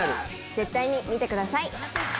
絶対に見てください。